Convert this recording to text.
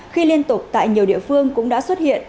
khi liên tục tại nhiều địa phương cũng đã xuất hiện